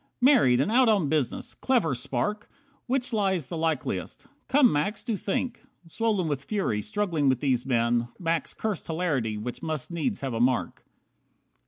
Married, and out on business. Clever Spark! Which lie's the likeliest? Come, Max, do think." Swollen with fury, struggling with these men, Max cursed hilarity which must needs have a mark.